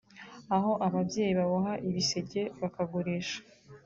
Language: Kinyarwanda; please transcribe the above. aho ababyeyi baboha ibiseke bakagurisha